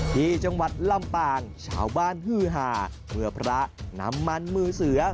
ที่จังหวัดลำปางชาวบ้านฮือหาเมื่อพระนำมันมือเสือ